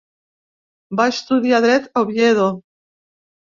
Va estudiar Dret a Oviedo.